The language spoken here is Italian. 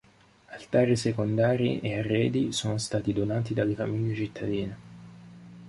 Altari secondari e arredi sono stati donati dalle famiglie cittadine.